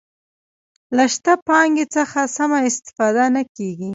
له شته پانګې څخه سمه استفاده نه کیږي.